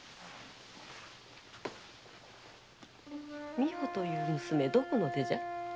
美保という娘どこの出じゃ？